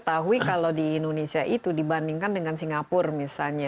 tapi kalau di indonesia itu dibandingkan dengan singapura misalnya